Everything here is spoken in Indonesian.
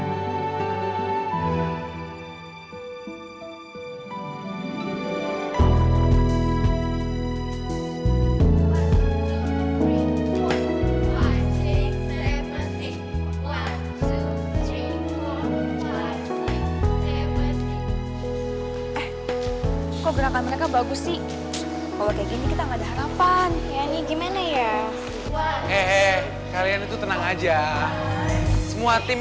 ngak nurut er naga udah tjektu